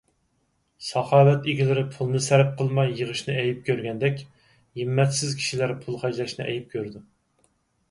ساخاۋەت ئىگىلىرى پۇلنى سەرپ قىلماي يىغىشنى ئەيىب كۆرگەندەك، ھىممەتسىز كىشىلەر پۇل خەجلەشنى ئەيىب كۆرىدۇ.